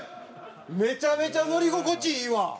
めちゃめちゃ乗り心地いいわ！